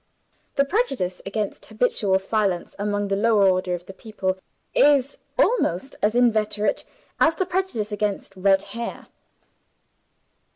The prejudice against habitual silence, among the lower order of the people, is almost as inveterate as the prejudice against red hair.